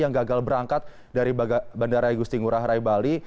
yang gagal berangkat dari bandara igusti ngurah rai bali